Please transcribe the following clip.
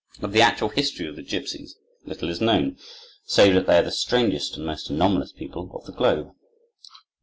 Of the actual history of the gipsies little is known, save that they are the strangest and most anomalous people of the globe.